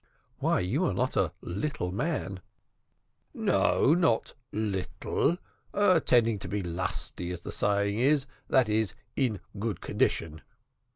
"Why you are not a little man!" "No, not little tending to be lusty, as the saying is that is, in good condition.